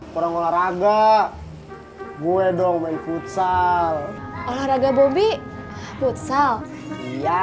kurang olahraga boleh dong main futsal olahraga bobby futsal iya